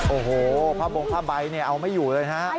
โอ้โหภาพบงค์ภาพใบ้เอาไม่อยู่เลยนะ